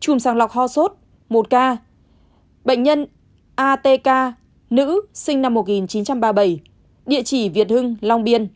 chùm sàng lọc ho sốt một ca bệnh nhân atk nữ sinh năm một nghìn chín trăm ba mươi bảy địa chỉ việt hưng long biên